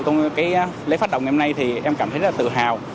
trong lễ phát động ngày hôm nay thì em cảm thấy rất là tự hào